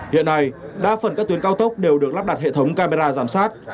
hiện nay đa phần các tuyến cao tốc đều được lắp đặt hệ thống camera giám sát